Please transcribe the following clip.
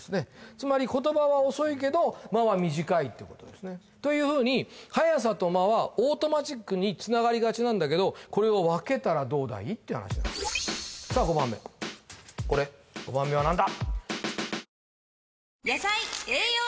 つまり言葉は遅いけど間は短いってことですねというふうに速さと間はオートマチックにつながりがちなんだけどこれを分けたらどうだい？って話なのさあ５番目これ５番目は何だ？